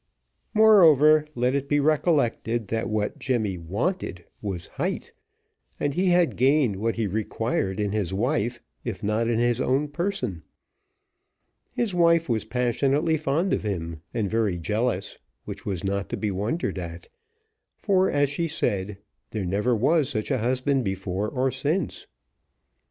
Moreover, let it be recollected, that what Jemmy wanted was height, and he had gained what he required in his wife, if not in his own person: his wife was passionately fond of him, and very jealous, which was not to be wondered at, for, as she said, "there never was such a husband before or since."